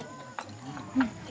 うん。